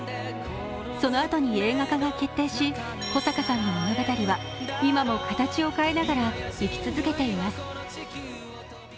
その後に映画化が決定し、小坂さんの物語は今も形を変えながら生き続けています。